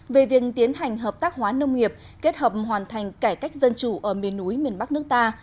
về việc tiến hành hợp tác hóa nông nghiệp kết hợp hoàn thành cải cách dân chủ ở miền núi miền bắc nước ta